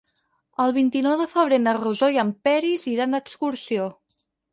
El vint-i-nou de febrer na Rosó i en Peris iran d'excursió.